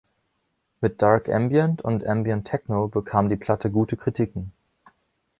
Mit Dark Ambient und Ambient Techno bekam die Platte gute Kritiken.